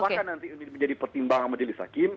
apakah nanti ini menjadi pertimbangan oleh jelis hakim